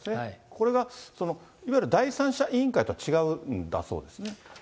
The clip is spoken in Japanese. これがいわゆる第三者委員会とは違うんだそうですね。